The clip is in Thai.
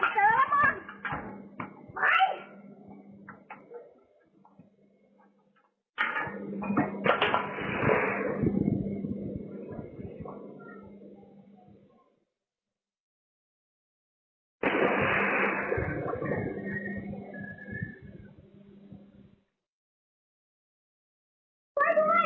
แล้วหลานกูอยู่นี่มีดกูไหนวะอื้อหมดไปที่นี่